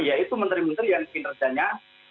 ya itu menteri menteri yang kinerjanya